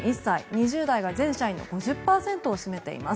２０代が全社員の５０％を占めています。